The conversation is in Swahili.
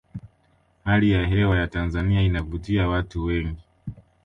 hali ya hewa ya tanzania inavutia watu wengi